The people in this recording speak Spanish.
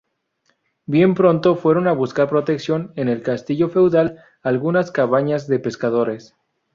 Bien pronto fueron a buscar protección en el castillo feudal algunas cabañas de pescadores.